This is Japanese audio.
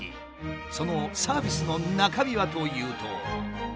そのサービスの中身はというと。